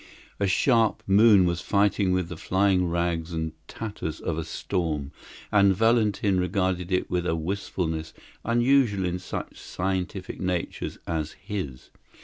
A sharp moon was fighting with the flying rags and tatters of a storm, and Valentin regarded it with a wistfulness unusual in such scientific natures as his.